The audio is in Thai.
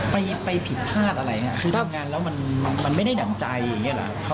ไปไปผิดพลาดอะไรอะคือต้องงานแล้วมันมันไม่ได้ดั่งใจอย่างเงี้ยแหละ